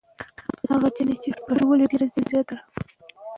هغه نجلۍ چې پښتو لولي ډېره ځېره ده.